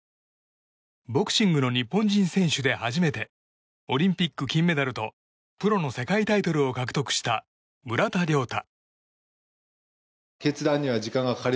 ボクシングの日本人選手で初めてオリンピック金メダルとプロの世界タイトルを獲得した村田諒太。